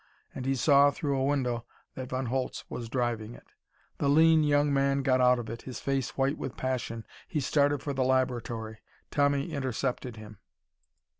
And he saw, through a window, that Von Holtz was driving it. The lean young man got out of it, his face white with passion. He started for the laboratory. Tommy intercepted him.